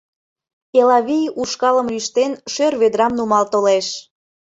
Элавий, ушкалым лӱштен, шӧр ведрам нумал толеш.